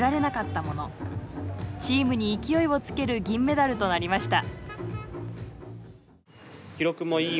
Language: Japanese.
チームに勢いをつける銀メダルとなりました。